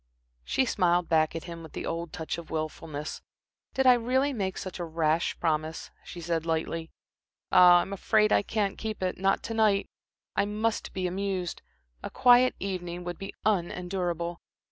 She smiled back at him with the old touch of wilfulness. "Did I really make such a rash promise," she said, lightly. "Ah, I'm afraid I can't keep it not to night. I must be amused. A quiet evening would be unendurable."